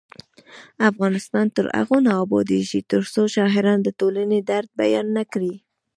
افغانستان تر هغو نه ابادیږي، ترڅو شاعران د ټولنې درد بیان نکړي.